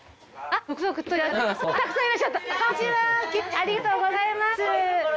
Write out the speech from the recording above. ありがとうございます。